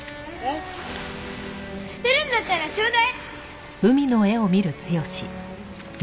捨てるんだったらちょうだい。